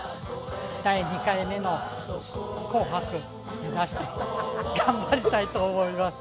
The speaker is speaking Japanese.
第２回目の紅白目指して、頑張りたいと思います。